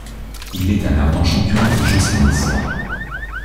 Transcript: Il est un ardent champion du Jansénisme.